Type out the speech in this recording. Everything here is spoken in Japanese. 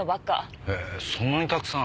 へえそんなにたくさん。